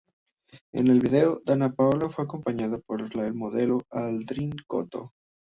En el video, Danna Paola fue acompañada por el modelo Aldrin Coto.